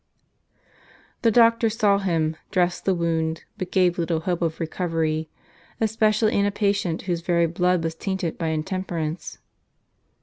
The doctor saw him, dressed the wound, but gave little hope of recovery, especially in a patient whose very blood was tainted by intemperance.